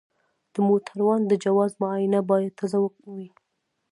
د موټروان د جواز معاینه باید تازه وي.